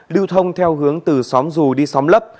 lưu thông theo hướng từ xóm dù đi xóm lấp